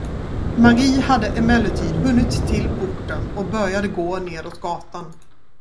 Mari hade emellertid hunnit till porten och började gå nedåt gatan.